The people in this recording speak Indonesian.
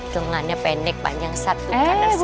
tengahnya pendek panjang satu kanan satu